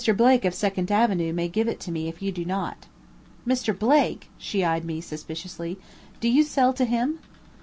Blake of Second Avenue may give it to me if you do not." "Mr. Blake!" She eyed me suspiciously. "Do you sell to him?"